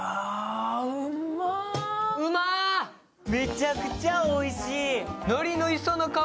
めちゃくちゃおいしい！